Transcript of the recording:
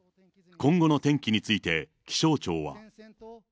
今後の天気について、気象庁は。